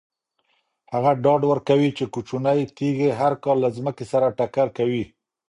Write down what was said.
هغه ډاډ ورکوي چې کوچنۍ تیږې هر کال له ځمکې سره ټکر کوي.